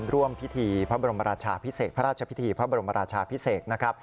ร่วมพิธีพระบรมราชภิเษกพระราชพิธีพระบรมราชภิเษก